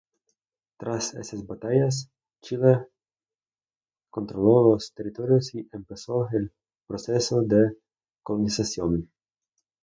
Tras esas batallas, Chile controló los territorios y empezó el proceso de colonización.